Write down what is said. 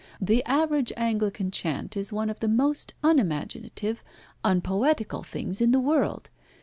The average Anglican chant is one of the most unimaginative, unpoetical things in the world.